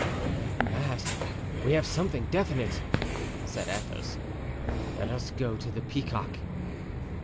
"At last we have something definite," said Athos; "let us go to the Peacock."